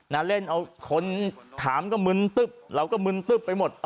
เล่นเอาคนถามก็มึนตึ๊บเราก็มึนตึ๊บไปหมด